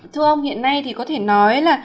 thưa ông hiện nay thì có thể nói là